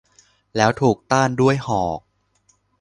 แล้วถูกต้านด้วยหอก !